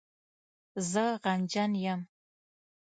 زه غمجن یم